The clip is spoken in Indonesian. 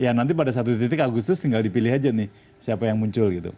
ya nanti pada satu titik agustus tinggal dipilih aja nih siapa yang muncul gitu